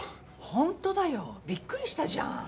ほんとだよびっくりしたじゃん。